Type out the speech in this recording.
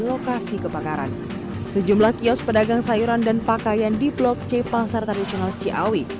lokasi kebakaran sejumlah kios pedagang sayuran dan pakaian di blok c pasar tradisional ciawi